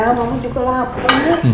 iya mama juga lapar